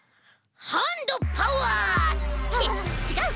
ハンドパワー！ってちがうか。